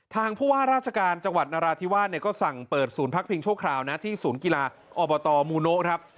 ผู้ว่าราชการจังหวัดนราธิวาสเนี่ยก็สั่งเปิดศูนย์พักพิงชั่วคราวนะที่ศูนย์กีฬาอบตมูโนะครับ